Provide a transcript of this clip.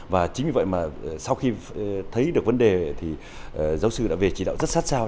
và chính vì vậy mà sau khi thấy được vấn đề thì giáo sư đã về chỉ đạo rất sát sao